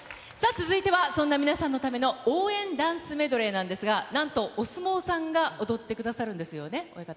続いてはそんな皆さんのための応援ダンスメドレーなんですが、なんとお相撲さんが踊ってくださるんですよね、親方。